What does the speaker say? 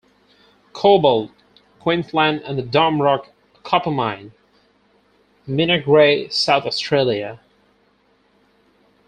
Cobalt, Queensland and the Dome Rock copper mine, Mingary, South Australia.